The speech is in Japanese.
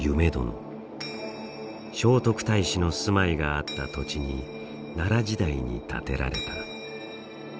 聖徳太子の住まいがあった土地に奈良時代に建てられた。